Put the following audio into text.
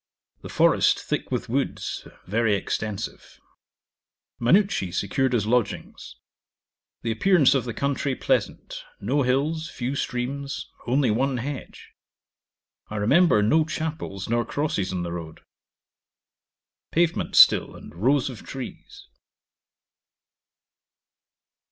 The forest thick with woods, very extensive. Manucci secured us lodgings. The appearance of the country pleasant. No hills, few streams, only one hedge. I remember no chapels nor crosses on the road. Pavement still, and rows of trees.